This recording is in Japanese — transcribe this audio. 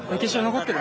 残ってる？